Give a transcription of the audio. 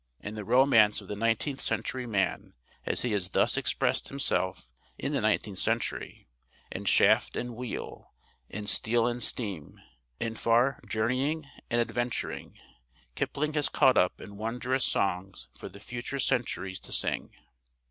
And the romance of the nineteenth century man as he has thus expressed himself in the nineteenth century, in shaft and wheel, in steel and steam, in far journeying and adventuring, Kipling has caught up in wondrous songs for the future centuries to sing.